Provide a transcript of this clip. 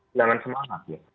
hilang semangat ya